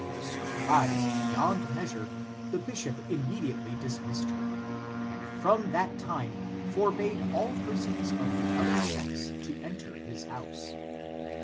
Surprised beyond measure, the bishop immediately dismissed her, and from that time forbade all persons of the other sex to enter his house.